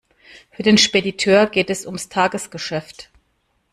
Für den Spediteur geht es ums Tagesgeschäft.